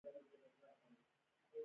کله چې ايمان د فکر له څپو سره مخلوطېږي.